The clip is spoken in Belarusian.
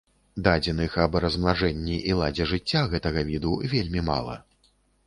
Дадзеных аб размнажэнні і ладзе жыцця гэтага віду вельмі мала.